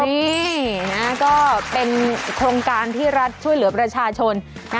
นี่นะก็เป็นโครงการที่รัฐช่วยเหลือประชาชน